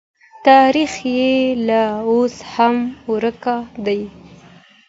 تاریخ یې لا اوس هم ورک دی.